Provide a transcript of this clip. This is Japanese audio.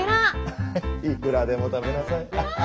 ハハッいくらでも食べなさい。